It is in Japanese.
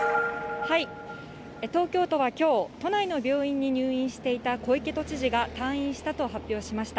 東京都はきょう、都内の病院に入院していた小池都知事が退院したと発表しました。